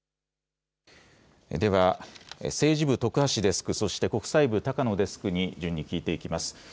では政治部徳橋デスクそして国際部高野デスクに聞いていきます。